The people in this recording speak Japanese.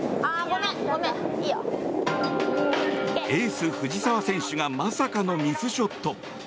エース、藤澤選手がまさかのミスショット。